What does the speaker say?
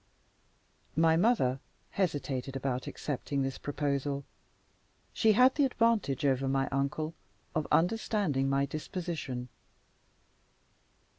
My mother hesitated about accepting this proposal; she had the advantage over my uncle of understanding my disposition.